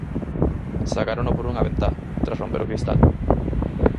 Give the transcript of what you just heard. Sacárono por unha ventá, tras romper o cristal.